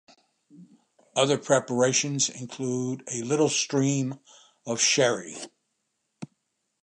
Other preparations include a little stream of sherry.